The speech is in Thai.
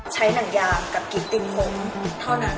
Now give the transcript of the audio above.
ใช้หนังยามกับกลิ่นติมมุมเท่านั้น